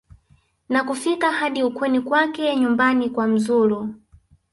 na kufika hadi ukweni kwake nyumbani kwa mzulu